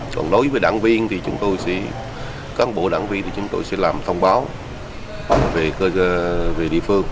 chọn đối với đảng viên thì chúng tôi sẽ các bộ đảng viên thì chúng tôi sẽ làm thông báo về địa phương